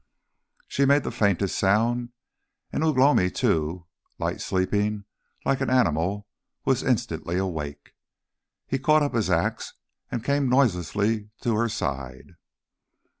She made the faintest sound, and Ugh lomi too, light sleeping like an animal, was instantly awake. He caught up his axe and came noiselessly to her side.